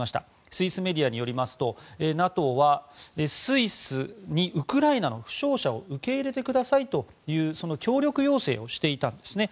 スイスメディアによりますとＮＡＴＯはスイスにウクライナの負傷者を受け入れてくださいという協力要請をしていたんですね。